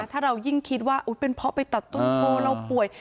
ถ้าเรายิ่งคิดว่าเป็นเพราะไปตัดต้นโพเราป่วย